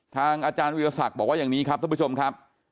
อาจารย์วิทยาศักดิ์บอกว่าอย่างนี้ครับท่านผู้ชมครับ